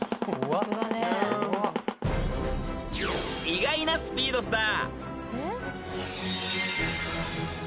［意外なスピードスター］